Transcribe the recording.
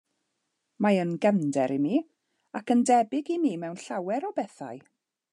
Mae yn gefnder i mi, ac yn debyg i mi mewn llawer o bethau.